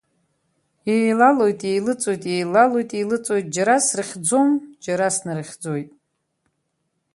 Еилалоит, еилыҵуеит, еилалоит, еилыҵуеит, џьара срыхьӡом, џьара снарыхьӡоит.